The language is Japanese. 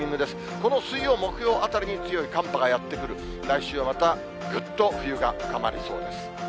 この水曜、木曜あたりに強い寒波がやって来る、来週はまた、ぐっと冬が深まりそうです。